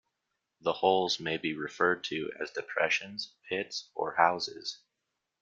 The holes may be referred to as "depressions", "pits", or "houses".